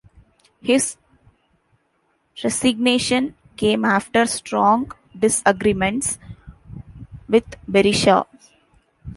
His resignation came after strong disagreements with Berisha.